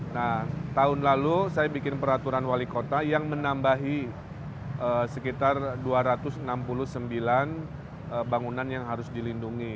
nah tahun lalu saya bikin peraturan wali kota yang menambahi sekitar dua ratus enam puluh sembilan bangunan yang harus dilindungi